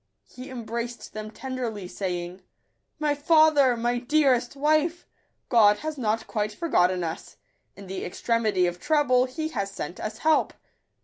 He embraced them tenderly, saying ,—" My father! my dearest wife ! God has not quite forgotten us : in the extremity of trouble He has sent us help."